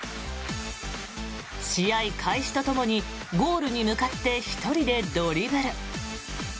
試合開始とともにゴールに向かって１人でドリブル。